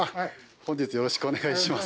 本日よろしくお願いします。